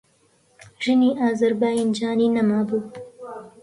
ژنی ئازەربایجانیی نەمابوو.